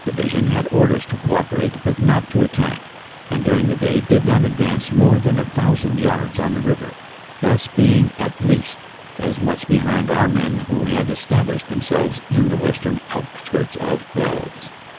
Division had orders to co operate but not to attack, and during the day did not advance more than a thousand yards on the river, thus being at least as much behind our men who had established themselves in the western out skirts of Pelves.